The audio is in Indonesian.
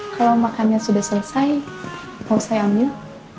kalau makannya sudah selesai mau saya ambil